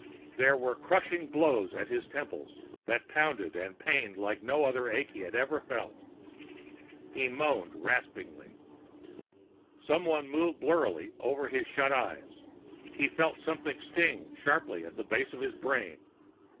There were crushing blows at his temples that pounded and pained like no other ache he had ever felt. He moaned raspingly. Someone moved blurrily over his shut eyes. He felt something sting sharply at the base of his brain.